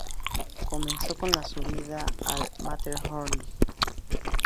Comenzó con la subida al Matterhorn.